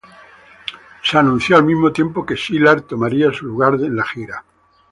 Se anunció al mismo tiempo que -Sylar- tomaría su lugar en la gira.